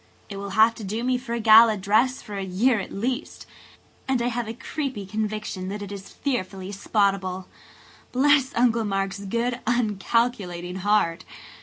"It will have to do me for a gala dress for a year at least–and I have a creepy conviction that it is fearfully spottable. Bless Uncle Mark's good, uncalculating heart!